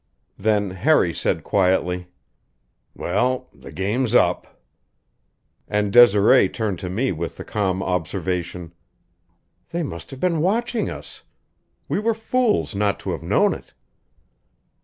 Then Harry said quietly: "Well, the game's up." And Desiree turned to me with the calm observation: "They must have been watching us. We were fools not to have known it."